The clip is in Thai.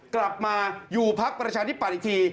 กลับมาอยู่พักประชาธิปัตย์อีกที